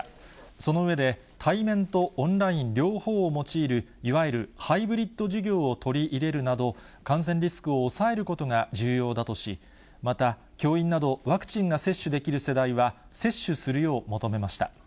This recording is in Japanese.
その上で、対面とオンライン両方を用いる、いわゆるハイブリッド授業を取り入れるなど、感染リスクを抑えることが重要だとし、また、教員などワクチンが接種できる世代は、接種するよう求めました。